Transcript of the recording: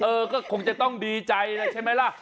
เออก็คงจะต้องดีใจแล้วใช่ไหมล่ะ